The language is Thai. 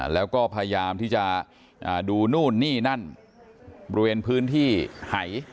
แล้วก็พยายามที่จะดูนู่นนี่นั่นบริเวณพื้นที่หาย